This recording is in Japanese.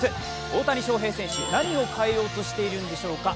大谷翔平選手、何を変えようとしているのでしょうか。